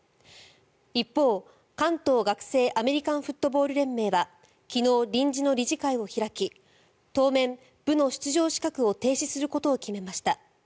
一方、関東学生アメリカンフットボール連盟は昨日、臨時の理事会を開き当面、部の出場資格を停止することを決めました。